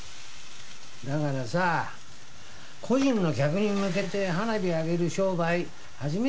だからさ個人の客に向けて花火上げる商売始めようっつってんだよ。